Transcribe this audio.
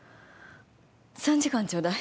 ３時間ちょうだい。